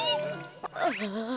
ああ。